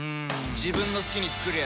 自分の好きに作りゃいい